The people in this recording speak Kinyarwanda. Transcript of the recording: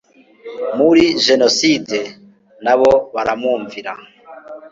muri jenoside na bo baramwumvira